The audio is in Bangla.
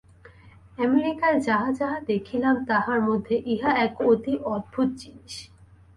আমেরিকায় যাহা যাহা দেখিলাম, তাহার মধ্যে ইহা এক অতি অদ্ভুত জিনিষ।